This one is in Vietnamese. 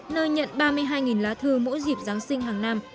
nơi nhận ba mươi hai lá thư mỗi dịp giáng sinh hàng năm